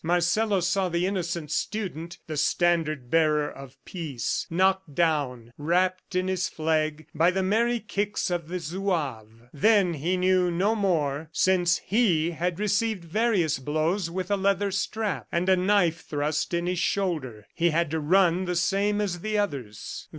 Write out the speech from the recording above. Marcelo saw the innocent student, the standard bearer of peace, knocked down wrapped in his flag, by the merry kicks of the Zouaves. Then he knew no more, since he had received various blows with a leather strap, and a knife thrust in his shoulder; he had to run the same as the others.